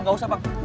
gak usah pak